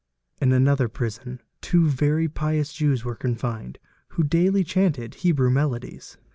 In another prison two very pious Jewa were confined who dail chanted Hebrew melodies.